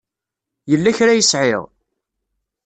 Yella kra ay sɛiɣ?